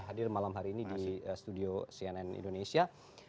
hadir malam hari ini di studio cnn indonesia